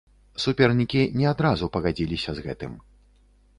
Супернікі не адразу пагадзіліся з гэтым.